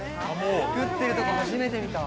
作ってるとこ初めて見た。